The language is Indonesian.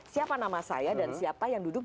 siapa nama saya dan siapa yang duduk